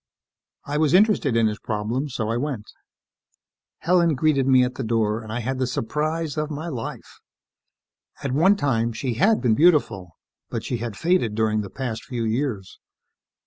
I was interested in his problem, so I went. Helen greeted me at the door and I had the surprise of my life. At one time, she had been beautiful, but she had faded during the past few years.